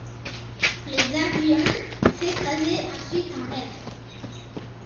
Les avions s'écrasaient ensuite en mer.